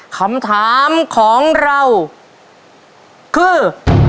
คำถามของเราคือ